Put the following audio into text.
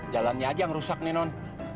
jalannya aja yang rusak nih non